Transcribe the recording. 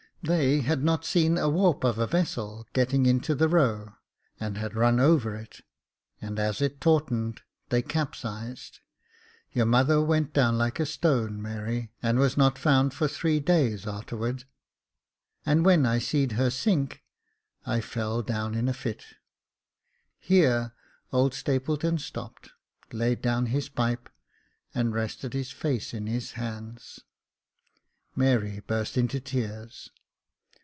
They had not seen a warp of a vessel getting into the row, and had run over it, and, as it tautened, they capsized. Your mother went down like a stone, Mary, and was not found for three days a'terward ; and when I seed her sink I fell down in a fit." Here old Stapleton stopped, laid down his pipe, and rested his face in his hands. Mary burst into tears.